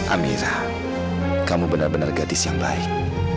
amira kamu benar benar gadis yang baik